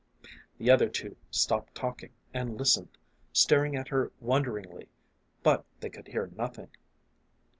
The other two stopped talking, and listened, staring at her wonderingly, but they could hear nothing.